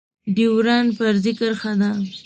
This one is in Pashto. ډيورنډ فرضي کرښه ده